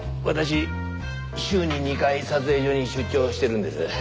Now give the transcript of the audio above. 私週に２回撮影所に出張しているんです。